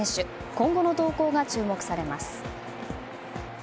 今後の動向が注目されます。